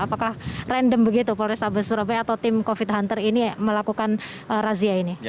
apakah random begitu polrestabes surabaya atau tim covid hunter ini melakukan razia ini